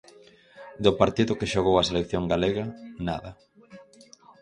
Do partido que xogou a selección galega, nada.